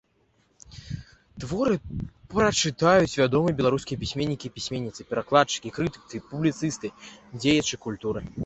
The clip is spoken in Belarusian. Творы прачытаюць вядомыя беларускія пісьменнікі і пісьменніцы, перакладчыкі, крытыкі, публіцысты, дзеячы культуры.